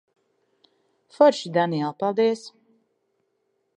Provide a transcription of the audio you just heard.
Forši, Daniel. Paldies.